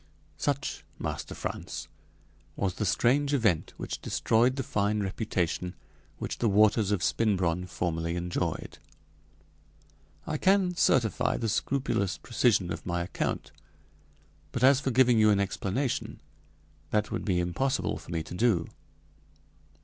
Such, Master Frantz, was the strange event which destroyed the fine reputation which the waters of Spinbronn formerly enjoyed. I can certify the scrupulous precision of my account. But as for giving you an explanation, that would be impossible for me to do.